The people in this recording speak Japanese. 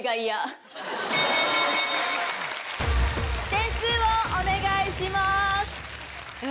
点数をお願いします。